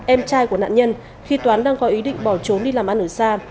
em trai của nạn nhân khi toán đang có ý định bỏ trốn đi làm ăn ở xa